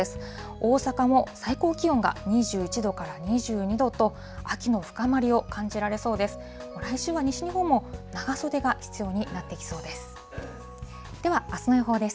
大阪も最高気温が２１度から２２度と、秋の深まりを感じられそうです。